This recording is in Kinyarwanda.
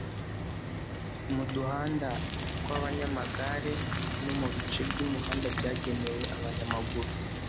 mu duhanda tw abanyamagare no mu bice by umuhanda byagenewe abanyamaguru